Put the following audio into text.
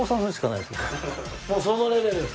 もうそのレベル？